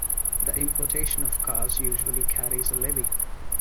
The importation of cars usually carries a levy.